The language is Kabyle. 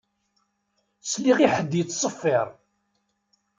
Sliɣ i ḥedd yettṣeffiṛ